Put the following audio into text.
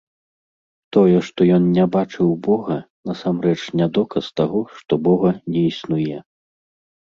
Тое, што ён не бачыў бога, насамрэч не доказ таго, што бога не існуе.